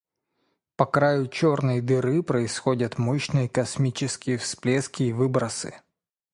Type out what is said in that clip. По краю черной дыры происходят мощные космические всплески и выбросы.